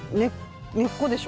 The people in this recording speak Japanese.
根っこでしょ？